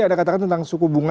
anda katakan tentang suku bunga